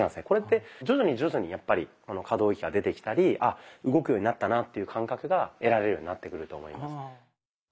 これって徐々に徐々に可動域が出てきたり「あ動くようになったな」っていう感覚が得られるようになってくると思います。